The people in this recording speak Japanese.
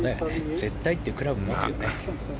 絶対ってクラブを持つよね